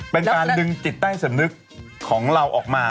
เป็นการดึงจิตใต้สำนึกของเราออกมา